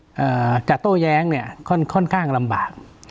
ในที่สุดจัดโต้แย้งเนี่ยค่อนข้างลำบาก